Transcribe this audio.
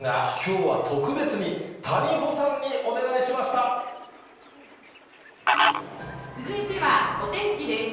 さあ、続いてはお天気、ですが、きょうは特別に、続いてはお天気です。